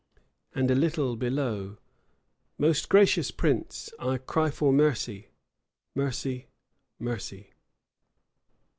And a little below, "Most gracious prince, I cry for mercy, mercy, mercy."